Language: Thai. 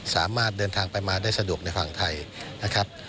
สามารถเดินทางไปมาได้สะดวกในฝั่งไทยนะครับ